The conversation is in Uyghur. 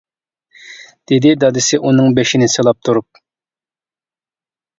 - دېدى دادىسى ئۇنىڭ بېشىنى سىلاپ تۇرۇپ.